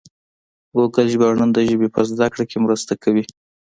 ګوګل ژباړن د ژبې په زده کړه کې مرسته کوي.